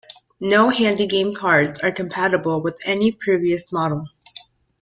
No HandyGame carts are compatible with any previous model.